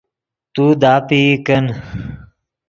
تو داپئی کن